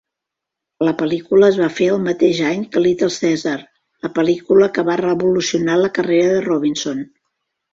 La pel·lícula es va fer el mateix any que "Little Caesar", la pel·lícula que va revolucionar la carrera de Robinson.